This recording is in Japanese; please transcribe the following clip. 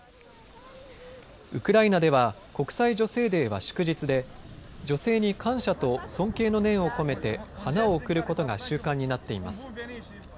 ウクライナでは国際女性デーは祝日で女性に感謝と尊敬の念を込めて花を贈ることが習慣になっています。